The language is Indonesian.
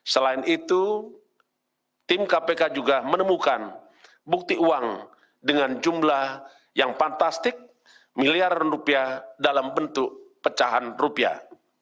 selain itu tim kpk juga menemukan bukti uang dengan jumlah yang fantastik miliaran rupiah dalam bentuk pecahan rupiah